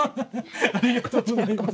ありがとうございます。